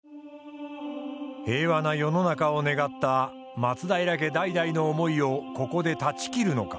平和な世の中を願った松平家代々の思いをここで断ち切るのか。